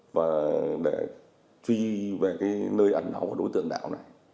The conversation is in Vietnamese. và để truy về nơi ẩn hảo của đối tượng đảo này